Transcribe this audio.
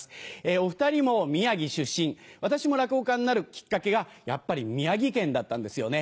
お２人も宮城出身私も落語家になるきっかけがやっぱり宮城県だったんですよね。